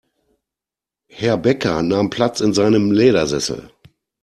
Herr Bäcker nahm Platz in seinem Ledersessel.